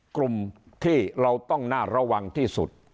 กลุ่มที่เราต้องน่าระวังที่สุด